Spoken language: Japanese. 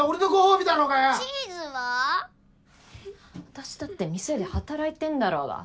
私だって店で働いてんだろうが。